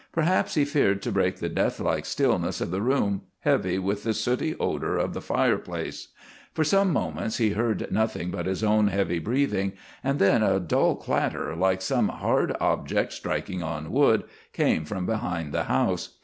Perhaps he feared to break the death like stillness of the room, heavy with the sooty odor of the fireplace. For some moments he heard nothing but his own heavy breathing, and then a dull clatter, like some hard object striking on wood, came from behind the house.